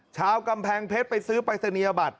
ชาวกำแพงเพชรไปซื้อปรายศนียบัตร